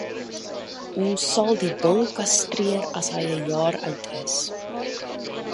Ons sal die bul kastreer as hy 'n jaar oud is.